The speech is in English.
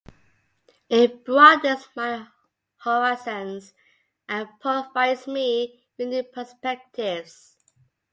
It broadens my horizons and provides me with new perspectives.